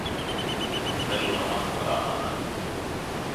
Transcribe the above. Θέλω να μάθω γράμματα.